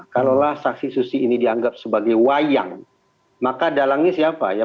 kalaulah saksi susi ini dianggap sebagai wayang maka dalangnya siapa ya